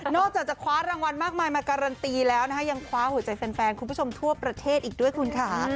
อกจากจะคว้ารางวัลมากมายมาการันตีแล้วนะคะยังคว้าหัวใจแฟนคุณผู้ชมทั่วประเทศอีกด้วยคุณค่ะ